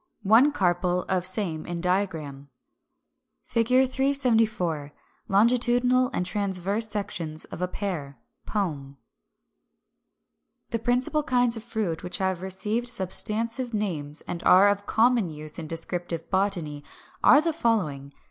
373. One carpel of same in diagram.] [Illustration: Fig. 374. Longitudinal and transverse sections of a pear (pome).] 351. The principal kinds of fruit which have received substantive names and are of common use in descriptive botany are the following.